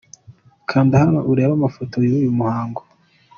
Kanda hano urebe amafoto y’uyu muhango.